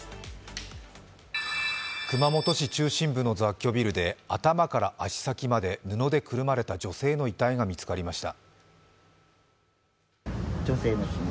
熊本市中心部の雑居ビルで頭から足先まで布でくるまれた女性の遺体が見つかりました。